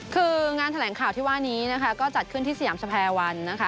คืองานแถลงข่าวที่ว่านี้นะคะก็จัดขึ้นที่สยามสแพรวันนะคะ